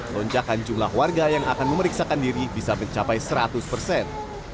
lonjakan jumlah warga yang akan memeriksakan diri bisa mencapai seratus persen